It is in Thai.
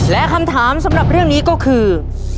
และคำถามสำหรับเรื่องนี้ก็คือ